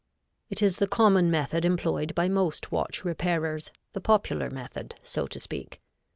It is the common method employed by most watch repairers, the popular method so to speak.